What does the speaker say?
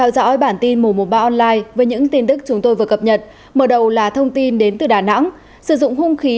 cảm ơn các bạn đã theo dõi